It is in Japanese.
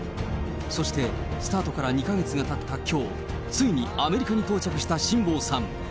そして、スタートから２か月がたったきょう、ついにアメリカに到着した辛坊さん。